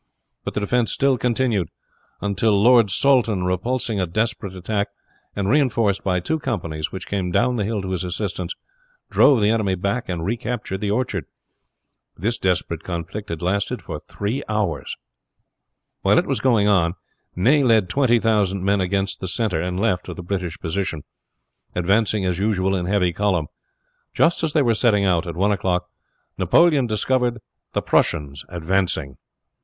But the defense still continued, until Lord Saltoun, repulsing a desperate attack, and reinforced by two companies which came down the hill to his assistance, drove the enemy back and recaptured the orchard. This desperate conflict had lasted for three hours. While it was going on Ney led twenty thousand men against the center and left of the British position, advancing as usual in heavy column. Just as they were setting out at one o'clock Napoleon discovered the Prussians advancing.